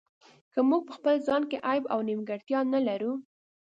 که موږ په خپل ځان کې عیب او نیمګړتیا نه لرو.